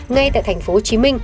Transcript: ngay tại tp hcm